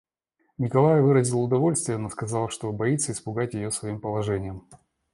Николай выразил удовольствие, но сказал, что боится испугать ее своим положением.